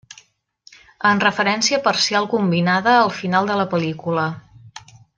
En referència parcial combinada al final de la pel·lícula.